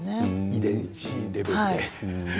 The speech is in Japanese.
遺伝子レベルでね。